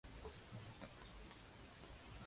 La bordura es símbolo de protección, favor y recompensa.